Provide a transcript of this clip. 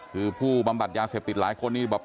คือผู้บำบัดยาเสพติดหลายคนนี่แบบ